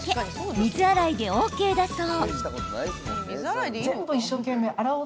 水洗いでＯＫだそう。